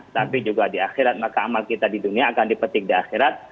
tapi juga di akhirat maka amal kita di dunia akan dipetik di akhirat